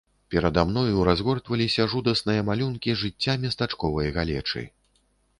Перада мною разгортваліся жудасныя малюнкі жыцця местачковай галечы.